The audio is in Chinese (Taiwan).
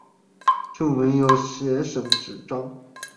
就沒有節省紙張